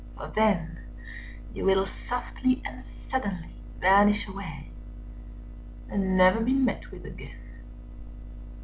For then You will softly and suddenly vanish away, Â Â Â Â And never be met with again!